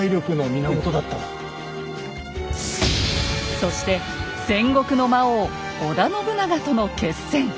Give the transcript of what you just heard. そして戦国の魔王織田信長との決戦。